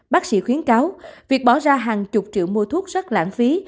bác sĩ khuyến cáo việc bỏ ra hàng chục triệu mua thuốc rất lãng phí